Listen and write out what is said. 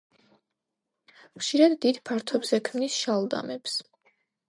ხშირად დიდ ფართობზე ქმნის შალდამებს.